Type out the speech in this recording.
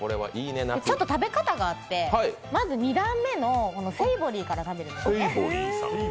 ちょっと食べ方があって、まず２段目のセイボリーから食べるんですね。